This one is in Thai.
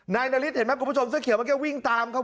นายนาริสเห็นมั้ยคุณผู้ชมเสื้อเขียวมันก็วิ่งตามครับ